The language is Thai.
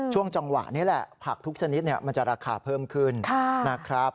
ช่วงจังหวะนี้แหละผักทุกชนิดมันจะราคาเพิ่มขึ้นนะครับ